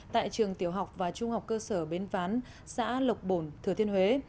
tại trường tiểu học và trung học cơ sở bến ván xã lộc bồn thừa thiên huế